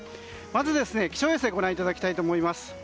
まず、気象衛星をご覧いただきたいと思います。